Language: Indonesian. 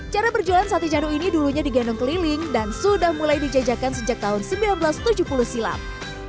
cara berjualan sate jadul ini dulunya digendong keliling dan sudah mulai dijajakan sejak tahun seribu sembilan ratus tujuh puluh silam